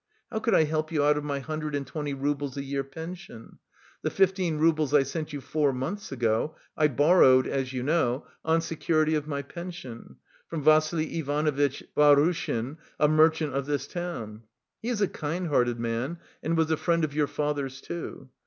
How could I help you out of my hundred and twenty roubles a year pension? The fifteen roubles I sent you four months ago I borrowed, as you know, on security of my pension, from Vassily Ivanovitch Vahrushin a merchant of this town. He is a kind hearted man and was a friend of your father's too.